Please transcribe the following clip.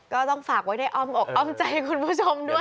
ก็ต้องฝากไว้ในอ้อมอกอ้อมใจคุณผู้ชมด้วย